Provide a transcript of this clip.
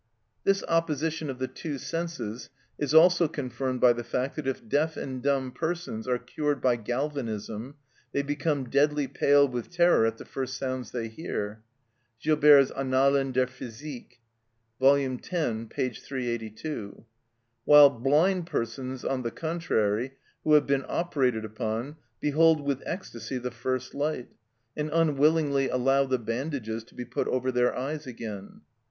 This opposition of the two senses is also confirmed by the fact that if deaf and dumb persons are cured by galvanism they become deadly pale with terror at the first sounds they hear (Gilbert's "Annalen der Physik," vol. x. p. 382), while blind persons, on the contrary, who have been operated upon, behold with ecstasy the first light, and unwillingly allow the bandages to be put over their eyes again.